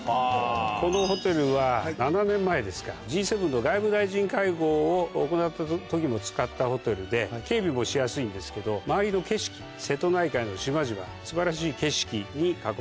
このホテルは７年前ですかＧ７の外務大臣会合を行った時も使ったホテルで警備もしやすいんですけど周りの景色瀬戸内海の島々素晴らしい景色に囲まれている。